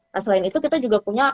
nah selain itu kita juga punya